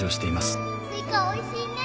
スイカおいしいね